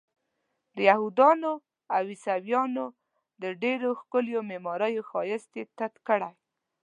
د یهودانو او عیسویانو د ډېرو ښکلیو معماریو ښایست یې تت کړی.